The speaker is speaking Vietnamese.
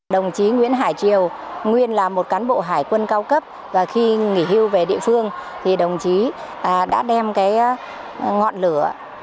đồng chí nguyễn hải triều nguyên là một cán bộ hải quân cao cấp và khi nghỉ hưu về địa phương thì đồng chí đã đem cái ngọn lửa